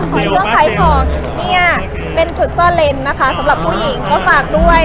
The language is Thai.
ขอยกว่าใครของเนี่ยเป็นจุดเซอร์เลนนะคะสำหรับผู้หญิงก็ฝากด้วย